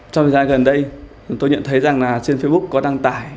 trong thời gian gần đây tôi nhận thấy trên facebook có đăng tải